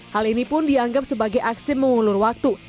hal ini pun dianggap sebagai aksi mengulur waktu